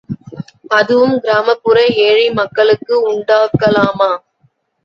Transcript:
அதுவும் கிராமப்புற ஏழை மக்களுக்கு உண்டாக்கலாமா?